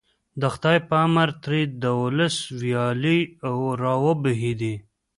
د خدای په امر ترې دولس ویالې راوبهېدې.